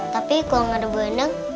tapi kalau nggak ada bu endang